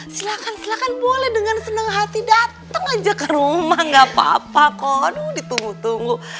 silahkan silahkan boleh dengan senang hati datang aja ke rumah gak apa apa kok aduh ditunggu tunggu